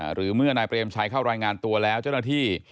หรือเมื่อนายเปรมชัยเข้ารายงานตัวแล้วเจ้าหน้าที่